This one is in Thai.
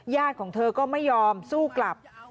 ของเธอก็ไม่ยอมสู้กลับ